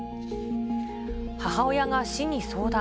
母親が市に相談。